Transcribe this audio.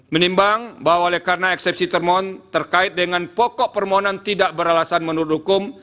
menimbang bahwa oleh karena eksepsi termohon terkait dengan pokok permohonan tidak beralasan menurut hukum